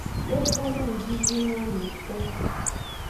Ekpo no ngzinzin noame ngto.